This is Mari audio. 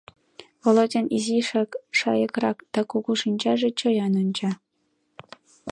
Володян изишак шайыкрак да кугу шинчаже чоян онча.